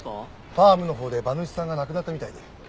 ファームのほうで馬主さんが亡くなったみたいで。